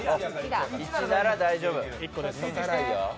１なら大丈夫。